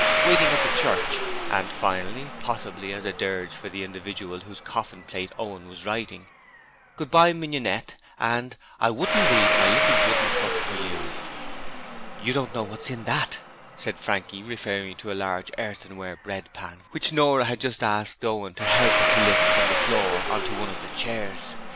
'Waiting at the Church' and finally possibly as a dirge for the individual whose coffin plate Owen was writing 'Goodbye, Mignonette' and 'I wouldn't leave my little wooden hut for you'. 'You don't know what's in that,' said Frankie, referring to a large earthenware bread pan which Nora had just asked Owen to help her to lift from the floor on to one of the chairs.